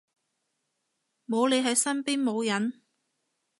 冇你喺身邊冇癮